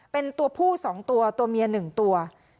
เป็นตัวผู้๒ตัวตัวเมีย๑ตัว